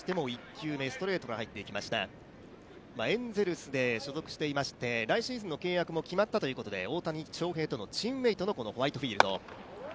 エンゼルスで所属していまして、来シーズンの契約も決まったということで大谷翔平とチームメートのホワイトフィールド。